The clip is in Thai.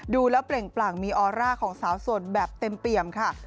ดูแล้วเปล่งปลั่งมีออร่าของสาวโสดแบบเต็มเปี่ยมค่ะ